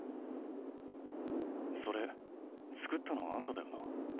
それ作ったのあんただよな？